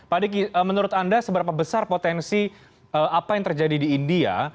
pak diki menurut anda seberapa besar potensi apa yang terjadi di india